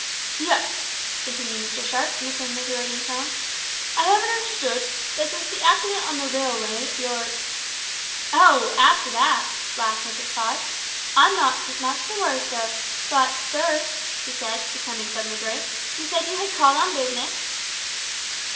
"Yes," continued Mr Sharp, in a commiserating tone; "I have understood, that since the accident on the railway your " "Oh, as to that," laughed Mrs Podge, "I'm not much the worse of but, sir," she said, becoming suddenly grave, "you said you had called on business?"